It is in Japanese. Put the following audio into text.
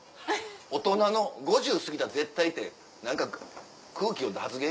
大人の５０過ぎた「絶対」って何か空気読んだ発言やん。